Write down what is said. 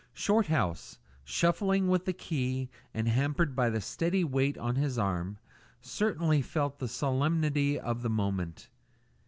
Shorthouse, shuffling with the key and hampered by the steady weight on his arm, certainly felt the solemnity of the moment.